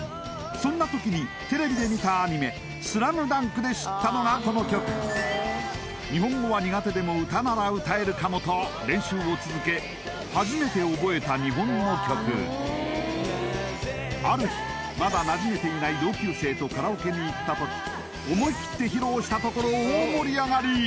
そんなときにテレビで見た日本語は苦手でも歌なら歌えるかもと練習を続け初めて覚えた日本の曲ある日まだなじめていない同級生とカラオケに行ったとき思い切って披露したところ大盛り上がり！